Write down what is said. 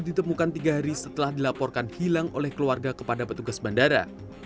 ditemukan tiga hari setelah dilaporkan hilang oleh keluarga kepada petugas bandara